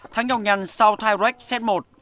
thắng nhọc nhăn sau tyrex set một